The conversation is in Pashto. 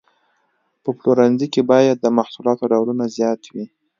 په پلورنځي کې باید د محصولاتو ډولونه زیات وي.